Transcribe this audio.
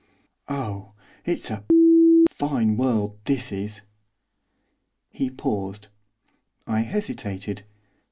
Oh it's a fine world, this is!' He paused. I hesitated.